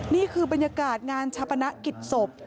นี่คือบรรยากาศงานชาปนกิจศพ